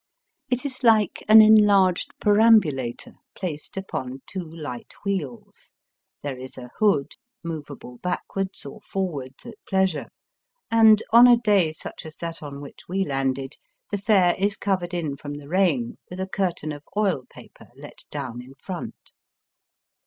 It is like an enlarged perambulator placed upon two light wheels ; there is a hood, movable backwards or forwards at pleasure, and on a day such as that on which we landed the fare is covered in from the rain with a curtain of oil paper let down in front.